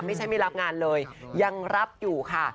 ไม่ใช่ไม่รับงานเลยยังรับอยู่ค่ะ